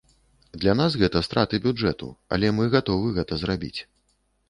Для нас гэта страты бюджэту, але мы гатовы гэта зрабіць.